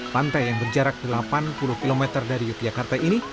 pantai yang berjarak delapan puluh km dari yogyakarta ini